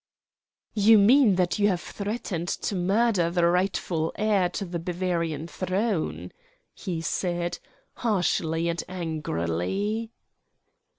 "You mean that you have threatened to murder the rightful heir to the Bavarian throne," he said, harshly and angrily.